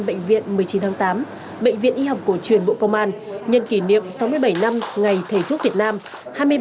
bệnh viện một mươi chín tháng tám bệnh viện y học cổ truyền bộ công an nhân kỷ niệm sáu mươi bảy năm ngày thầy thuốc việt nam